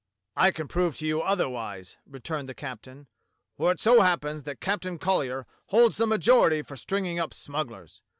"I can prove to you otherwise," returned the captain, "for it so happens that Captain Colly er holds the ma jority for stringing up smugglers.